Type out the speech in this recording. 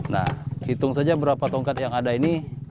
nah hitung saja berapa tongkat yang ada ini